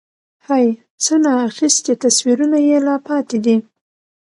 هَی؛ څه نا اخیستي تصویرونه یې لا پاتې دي